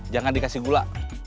jangan dikasih gula